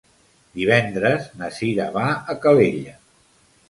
Divendres na Cira va a Calella.